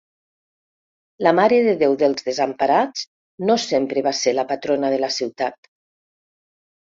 La Mare de Déu dels Desemparats no sempre va ser la patrona de la ciutat.